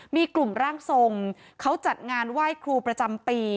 มีกลุ่มร่างทรงเขาจัดงานไหว้ครูประจำปี